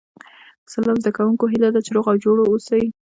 سلام زده کوونکو هیله ده چې جوړ او روغ اوسئ